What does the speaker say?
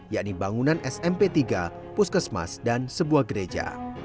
yakni bangunan smp tiga puskesmas dan sebuah gereja